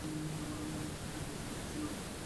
আমার মনিব গাছের নীচে বসেছিল।